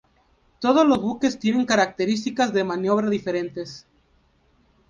Todos los buques tienen características de maniobra diferentes.